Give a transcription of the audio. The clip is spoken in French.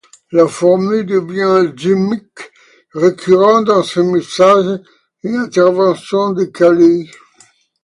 La formule devient un gimmick récurrent dans ses messages et interventions décalées.